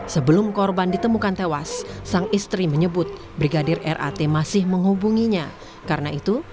sebelum korban ditemukan tewas sang istri menyebut brigadir rat masih berada di dalam mobil